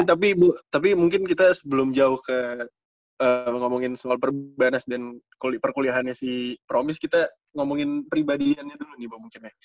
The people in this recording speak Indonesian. tapi ibu tapi mungkin kita sebelum jauh ke ngomongin soal perbanas dan perkuliahannya si promis kita ngomongin pribadiannya dulu nih bang mungkin ya